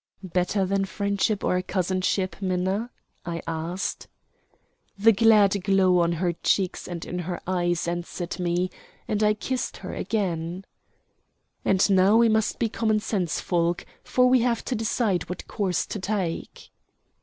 "Better than friendship or cousinship, Minna?" I asked. The glad glow on her cheeks and in her eyes answered me, and I kissed her again. "And now we must be common sense folk, for we have to decide what course to take."